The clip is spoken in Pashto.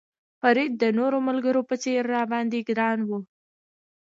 فرید د نورو ملګرو په څېر را باندې ګران و.